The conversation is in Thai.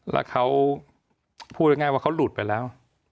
แล้วเขาพูดง่ายว่าเขาหลุดไปแล้ว